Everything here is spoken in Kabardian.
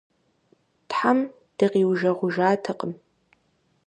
Тхьэм дыкъиужэгъужатэкъым.